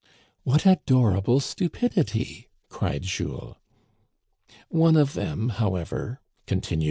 *' What adorable stupidity !" cried Jules. One of them, however," continued M.